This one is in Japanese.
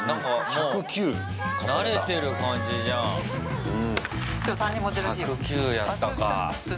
１０９やったか。